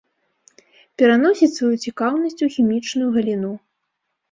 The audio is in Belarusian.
Пераносіць сваю цікаўнасць у хімічную галіну.